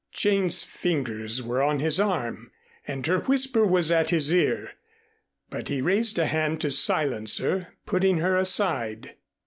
Jane's fingers were on his arm, and her whisper was at his ear, but he raised a hand to silence her, putting her aside.